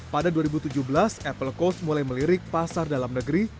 pada dua ribu tujuh belas apple coast mulai melirik pasar dalam negeri